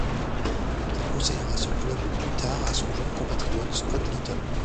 Il conseillera ce club plus tard à son jeune compatriote Scott Lyttle.